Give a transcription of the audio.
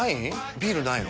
ビールないの？